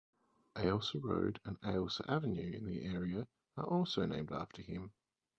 Ailsa Road and Ailsa Avenue in the area are also named after him.